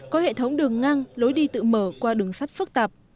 có hệ thống đường ngang lối đi tự mở qua đường sắt phức tạp